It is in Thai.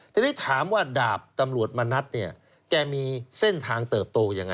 ทีนี้ถามว่าดาบตำรวจมณัฐเนี่ยแกมีเส้นทางเติบโตยังไง